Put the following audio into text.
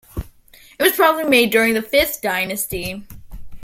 It was probably made during the Fifth dynasty.